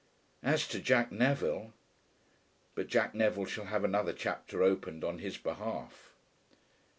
As to Jack Neville . But Jack Neville shall have another chapter opened on his behalf.